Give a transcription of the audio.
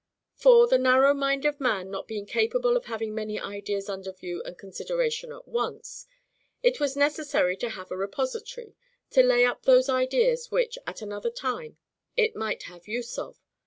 For, the narrow mind of man not being capable of having many ideas under view and consideration at once, it was necessary to have a repository, to lay up those ideas which, at another time, it might have use of.